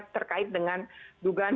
terkait dengan dugaan